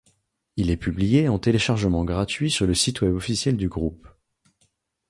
Il est publié en téléchargement gratuit sur le site web officiel du groupe.